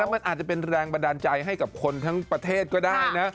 มันอาจจะเป็นแรงบันดาลใจให้กับคนทั้งประเทศก็ได้นะ